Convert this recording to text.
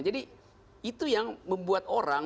jadi itu yang membuat orang